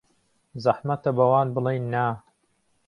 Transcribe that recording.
زەحمەتە بەوان بڵێین نا.